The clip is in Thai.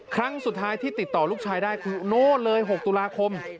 ครั้งสุดท้ายที่ติดต่อลูกชายได้คือโน้นเลย๖ตุลาคม